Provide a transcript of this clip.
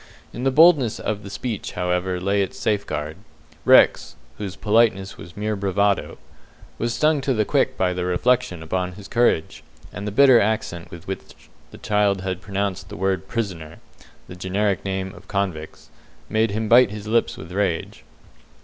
In the boldness of the speech however, lay its safeguard. Rex whose politeness was mere bravado was stung to the quick by the reflection upon his courage, and the bitter accent with which the child had pronounced the word prisoner (the generic name of convicts) made him bite his lips with rage.